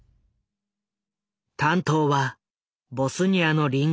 担当はボスニアの隣国